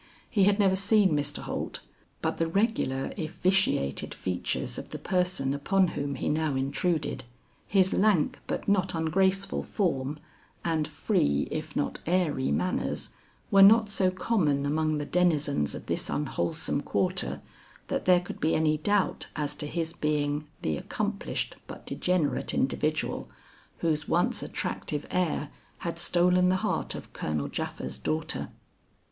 He had never seen Mr. Holt; but the regular if vitiated features of the person upon whom he now intruded, his lank but not ungraceful form, and free if not airy manners, were not so common among the denizens of this unwholesome quarter, that there could be any doubt as to his being the accomplished but degenerate individual whose once attractive air had stolen the heart of Colonel Japha's daughter.